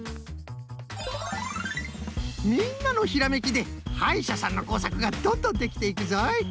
みんなのひらめきではいしゃさんのこうさくがどんどんできていくぞい。